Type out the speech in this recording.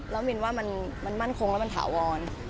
แล้วมินว่ามันมั่นคงแล้วมันถาวร